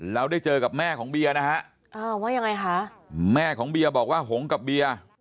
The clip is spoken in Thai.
แล้วได้เจอกับแม่ของเบียร์นะฮะว่ายังไงคะแม่ของเบียบอกว่าหงกับเบียร์